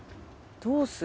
どうする？